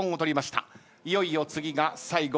いよいよ次が最後。